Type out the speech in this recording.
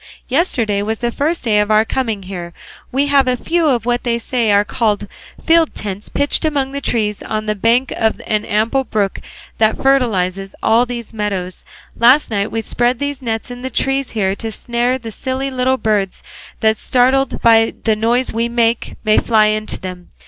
Yesterday was the first day of our coming here; we have a few of what they say are called field tents pitched among the trees on the bank of an ample brook that fertilises all these meadows; last night we spread these nets in the trees here to snare the silly little birds that startled by the noise we make may fly into them.